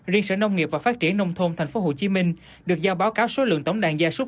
riêng sở nông nghiệp và phát triển nông thôn tp hcm được giao báo cáo số lượng tổng đàn gia súc